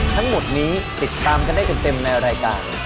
ทั้งหมดนี้ติดตามกันได้เต็มในรายการ